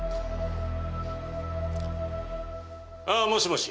ああもしもし。